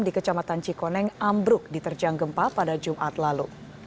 di kecamatan cikoneng ambruk diterjang gempa pada jumat lalu